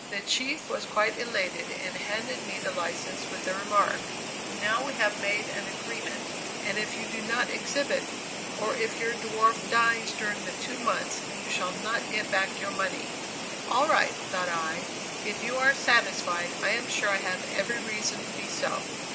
The chief was quite elated and handed me the license with the remark: "Now we have made an agreement, and if you do not exhibit, or if your dwarf dies during the two months you shall not get back your money." "All right," thought I; "if you are satisfied I am sure I have every reason to be so."